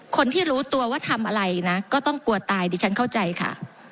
คนที่รู้ตัวว่าทำอะไรนะก็ต้องกลัวตายดิฉันเข้าใจค่ะ